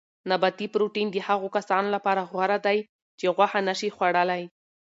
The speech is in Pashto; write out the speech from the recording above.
نباتي پروټین د هغو کسانو لپاره غوره دی چې غوښه نه شي خوړلای.